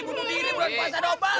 bunuh diri bulan puasa dopal